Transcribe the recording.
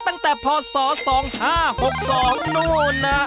ตั้งแต่พศ๒๕๖๒นู่นนะ